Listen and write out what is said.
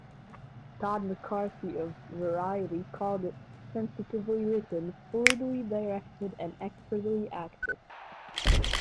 Todd McCarthy of "Variety" called it "sensitively written, fluidly directed and expertly acted".